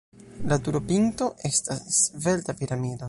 La turopinto estas svelta piramido.